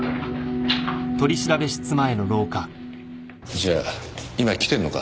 じゃあ今来てんのか？